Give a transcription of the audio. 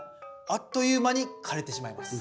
あっという間に枯れてしまいます」。